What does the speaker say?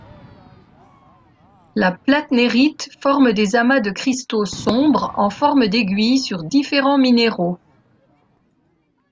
La plattnérite forme des amas de cristaux sombres en forme d'aiguilles sur différents minéraux.